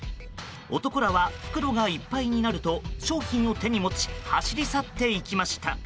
男らは袋がいっぱいになると商品を手に持ち走り去っていきました。